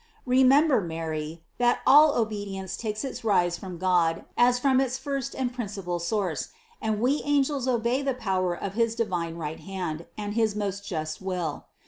Remember, Mary, that all obedience takes its rise from God as from its first and principal source, and we angels obey the power of his divine right hand and his most just will.